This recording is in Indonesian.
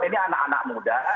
ini anak anak muda